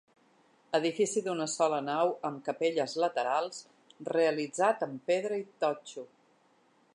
Edifici d'una sola nau amb capelles laterals, realitzat amb pedra i totxo.